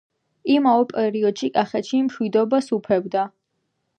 იმავე პერიოდᲨი კახეთში მᲨვიდობა სუფევდა.